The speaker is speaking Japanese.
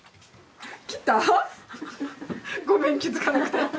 ごめん気付かなくて。